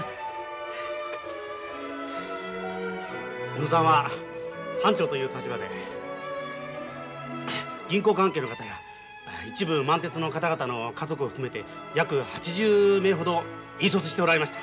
小野さんは班長という立場で銀行関係の方や一部満鉄の方々の家族を含めて約８０名ほど引率しておられました。